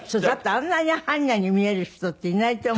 あんなに般若に見える人っていないと思う。